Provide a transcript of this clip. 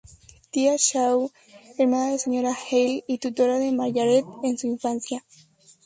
Tía Shaw, hermana de la señora Hale y tutora de Margaret en su infancia.